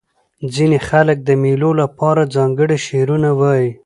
ځیني خلک د مېلو له پاره ځانګړي شعرونه وايي.